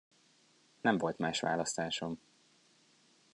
Nem volt más választásom.